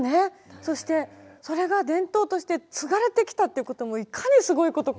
そしてそれが伝統として継がれてきたっていうこともいかにすごいことか。